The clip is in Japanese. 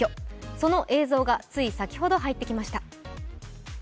その映像がつい先ほど入ってきました。